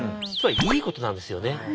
つまりいいことなんですよね。